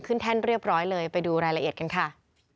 แท่นเรียบร้อยเลยไปดูรายละเอียดกันค่ะ